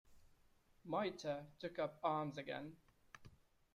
Mitre took up arms again.